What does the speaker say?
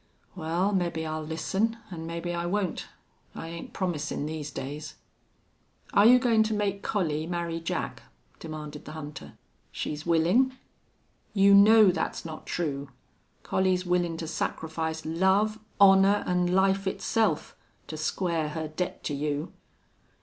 "Wal, mebbe I'll listen an' mebbe I won't. I ain't promisin', these days." "Are you goin' to make Collie marry Jack?" demanded the hunter. "She's willin'." "You know that's not true. Collie's willin' to sacrifice love, honor, an' life itself, to square her debt to you."